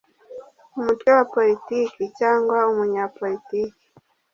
umutwe wa politiki cyangwa umunyapolitiki